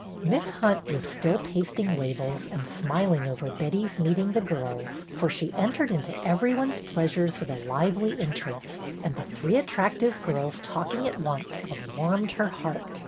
Miss Hunt was still pasting labels and smiling over Betty's meeting the girls, for she entered into every one's pleasures with a lively interest, and the three attractive girls talking at once had warmed her heart.